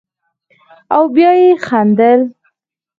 او بيا به يې خندل.